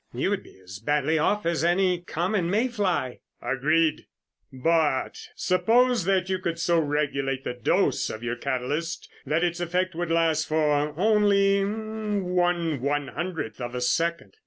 You would be as badly off as any common may fly." "Agreed, but suppose that you could so regulate the dose of your catalyst that its effect would last for only one one hundredth of a second.